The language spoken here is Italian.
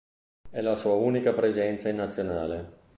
È la sua unica presenza in Nazionale.